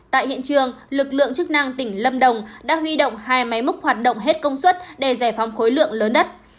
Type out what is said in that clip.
tại hiện trường lực lượng chức năng tỉnh lâm đồng đã huy động hai máy múc hoạt động hết công suất để giải phóng khối lượng lớn đất